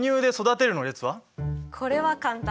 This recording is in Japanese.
これは簡単。